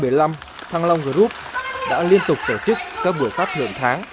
từ đầu năm hai nghìn một mươi năm thăng long group đã liên tục tổ chức các buổi phát thưởng tháng